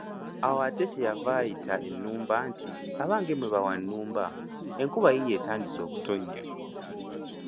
Awo ate kye yava ayita ennumba nti, abange mmwe bawannumba, enkuba yiiyo etandise okutonnya.